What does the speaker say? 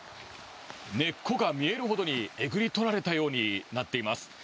根っこが見えるほどにえぐり取られたようになっています。